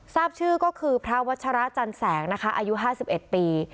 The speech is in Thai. ทราบชื่อก็คือพระวัชระจันแสงนะคะอายุ๕๑ปี